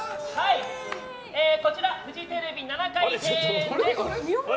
こちらフジテレビ７階屋上庭園です。